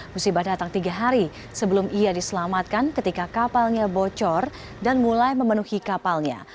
musibah datang tiga hari sebelum ia diselamatkan ketika kapalnya bocor dan mulai memenuhi kapalnya